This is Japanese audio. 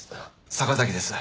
坂崎です。